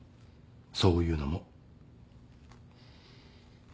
そういうのも。